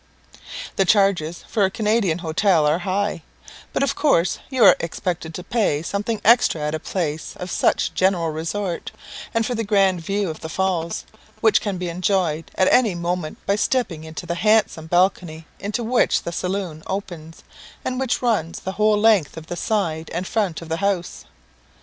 The charges for a Canadian hotel are high; but of course you are expected to pay something extra at a place of such general resort, and for the grand view of the Falls, which can be enjoyed at any moment by stepping into the handsome balcony into which the saloon opens, and which runs the whole length of the side and front of the house.